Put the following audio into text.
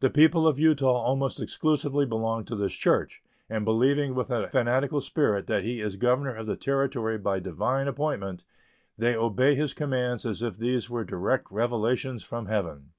The people of Utah almost exclusively belong to this church, and believing with a fanatical spirit that he is governor of the Territory by divine appointment, they obey his commands as if these were direct revelations from Heaven.